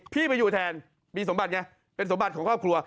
พี่ไปอยู่แทนมีสมบัติไงเป็นสมบัติของครอบครัว